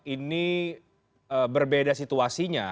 ini berbeda situasinya